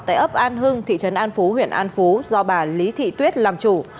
tại ấp an hưng thị trấn an phú huyện an phú do bà lý thị tuyết làm chủ